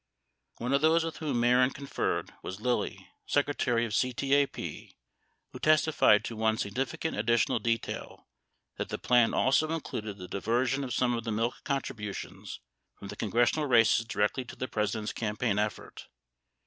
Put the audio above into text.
One of those with whom Mehren conferred was Lilly, Secretary of CTAPE, who testified to one significant additional detail — that the plan also included the diversion of some of the milk contributions from the congressional races directly to the President's campaign effort.